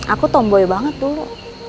aku tomboy banget dulu